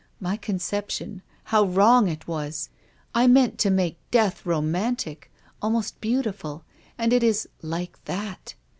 My conception — how wrong it was ! I meant to make death romantic, almost beautiful. And it is like that.